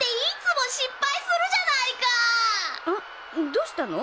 どうしたの？